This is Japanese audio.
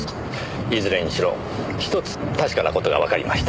いずれにしろ一つ確かな事がわかりました。